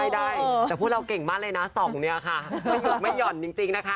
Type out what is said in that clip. ได้แต่พวกเราเก่งมากเลยนะส่องเนี่ยค่ะไม่ห่อนจริงนะคะ